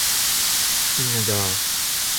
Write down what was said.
int a gar.